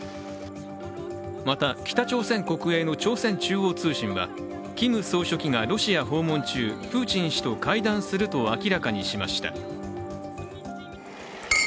また北朝鮮国営の朝鮮中央通信はキム総書記がロシア訪問中、プーチン氏と会談すると明らかにしました。